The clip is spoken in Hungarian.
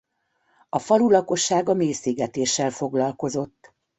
A falu lakossága mészégetéssel foglalkozott.